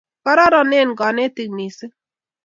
kororonen konetik mising